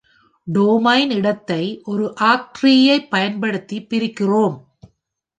Domain இடத்தை ஒரு ஆக்ட்ரீயைப் பயன்படுத்தி பிரிக்கிறோம்.